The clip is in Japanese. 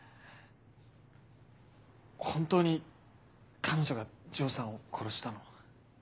本当に彼女が丈さんを殺したの？